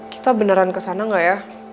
kita beneran kesana nggak ya